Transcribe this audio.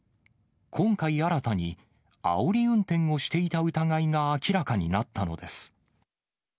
今回、新たにあおり運転をしていた疑いが明らかになったのです。